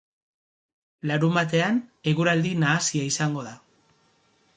Larunbatean, eguraldi nahasia izango da.